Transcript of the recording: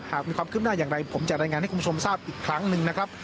หากมีความขึ้นหน้าอย่างไรผมจะรายงานให้คุณผู้ชมทราบอีกครั้งหนึ่งนะครับ